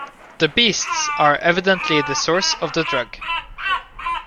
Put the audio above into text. The beasts are evidently the source of the drug.